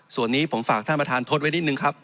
ส่วนนี้ผมฝากท่านประธานทดไว้นิดนึงครับ